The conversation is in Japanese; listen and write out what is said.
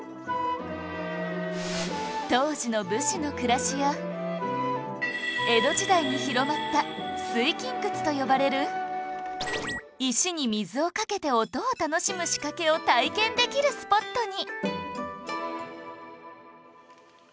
当時の武士の暮らしや江戸時代に広まった水琴窟と呼ばれる石に水をかけて音を楽しむ仕掛けを体験できるスポットに